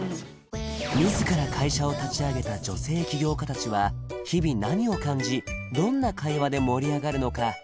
自ら会社を立ち上げた女性起業家達は日々何を感じどんな会話で盛り上がるのか？